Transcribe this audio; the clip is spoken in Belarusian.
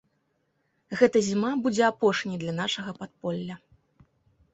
Гэта зіма будзе апошняй для нашага падполля.